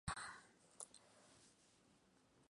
La parte superior está cubierta de pelo fino, corto y disperso.